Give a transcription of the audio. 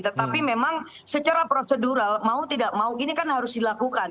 tetapi memang secara prosedural mau tidak mau ini kan harus dilakukan